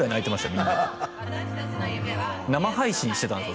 みんな生配信してたんですよ